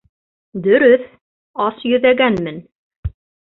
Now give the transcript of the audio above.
— Дөрөҫ, ас йөҙәгәнмен.